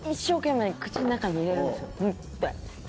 目いっぱい。